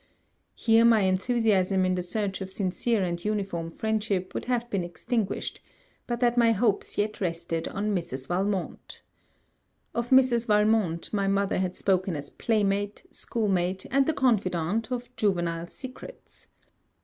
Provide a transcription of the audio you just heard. Here my enthusiasm in the search of sincere and uniform friendship would have been extinguished; but that my hopes yet rested on Mrs. Valmont. Of Mrs. Valmont my mother had spoken as playmate, schoolmate, and the confidant of juvenile secrets.